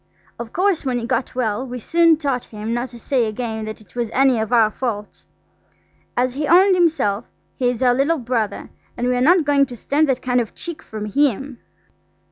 Of course, when he got well we soon taught him not to say again that it was any of our faults. As he owned himself, he is our little brother, and we are not going to stand that kind of cheek from him.